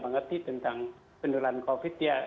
mengerti tentang pendulan covid ya